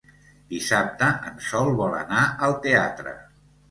Dissabte en Sol vol anar al teatre.